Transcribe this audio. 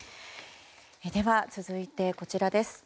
では、続いてこちらです。